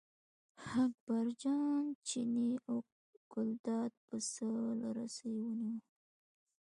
اکبرجان چینی او ګلداد پسه له رسۍ ونیوه.